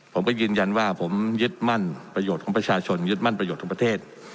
ผมก็ยืนยันว่าผมยึดมั่นประโยชน์ของประชาชนยึดมั่นประโยชนของประเทศ